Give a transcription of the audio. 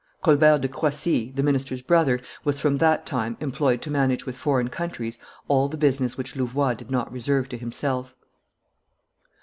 Colbert de Croissy, the minister's brother, was from that time employed to manage with foreign countries all the business which Louvois did not reserve to himself.